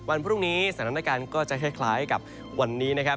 วันพรุ่งนี้สถานการณ์ก็จะคล้ายกับวันนี้นะครับ